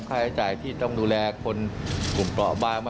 ค่าใช้จ่ายที่ต้องดูแลคนกลุ่มเปราะบาง